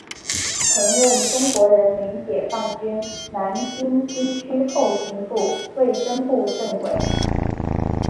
曾任中国人民解放军南京军区后勤部卫生部政委。